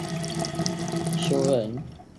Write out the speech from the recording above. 张懋修人。